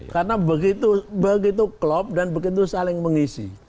karena begitu klop dan begitu saling mengisi